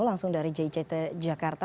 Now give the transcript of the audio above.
langsung dari jict jakarta